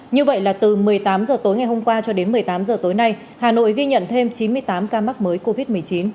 như vậy là từ một mươi tám h tối ngày hôm qua cho đến một mươi tám h tối nay hà nội ghi nhận thêm chín mươi tám ca mắc mới covid một mươi chín